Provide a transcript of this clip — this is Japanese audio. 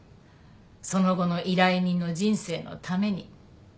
その後の依頼人の人生のために。